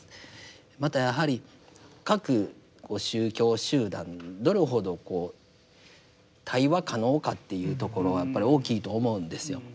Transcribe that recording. またやはり各宗教集団どれほどこう対話可能かっていうところはやっぱり大きいと思うんですよ。